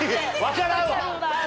分からんわ。